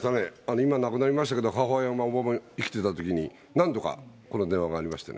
今亡くなりましたけど、母親が生きてたときに、何度かこの電話がありましてね。